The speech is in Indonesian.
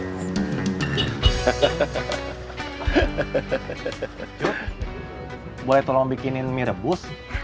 hahaha boleh tolong bikinin mie rebus